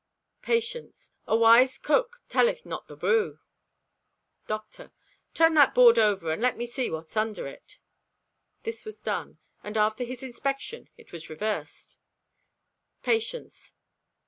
Patience.—"A wise cook telleth not the brew." Doctor.—"Turn that board over and let me see what's under it." This was done, and after his inspection it was reversed. _Patience.